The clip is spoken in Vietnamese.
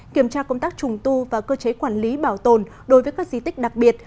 kiểm tra công tác trùng tu và cơ chế quản lý bảo tồn đối với các di tích đặc biệt